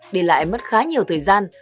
để lại mất khá nhiều thời gian